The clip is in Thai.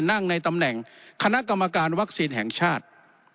นั่งในตำแหน่งคณะกรรมการวัคซีนแห่งชาติ